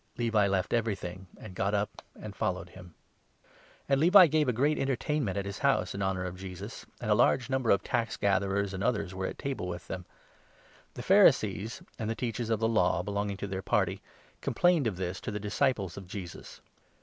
Levi left everything and got up and followed him. And 28, Jesus blamed ^ev' gave a great entertainment at his house, in for his honour of Jesus ; and a large number of tax Companions, gatherers and others were at table with them. The Pharisees and the Teachers of the Law belonging to their 30 party complained of this to the disciples of Jesus.